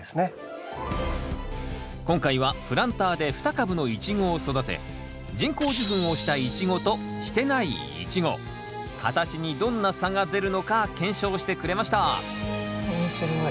今回はプランターで２株のイチゴを育て人工授粉をしたイチゴとしてないイチゴ形にどんな差が出るのか検証してくれました面白い。